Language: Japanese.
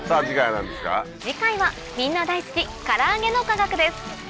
次回はみんな大好きから揚げの科学です。